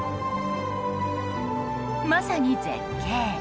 まさに絶景。